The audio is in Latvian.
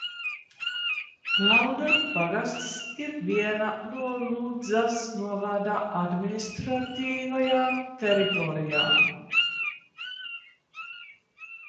Lauderu pagasts ir viena no Ludzas novada administratīvajām teritorijām.